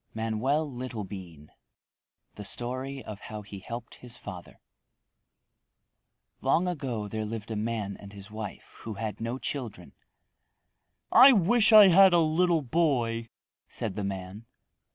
MANOEL LITTLEBEAN The Story of How He Helped His Father Long ago there lived a man and his wife who had no children. "I wish I had a little boy," said the man.